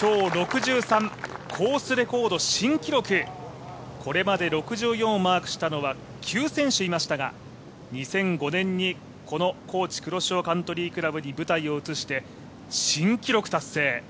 今日、６３、コースレコード新記録、これまで６４をマークしたのは９選手いましたが２００５年にこのＫｏｃｈｉ黒潮カントリークラブに舞台を移して新記録達成。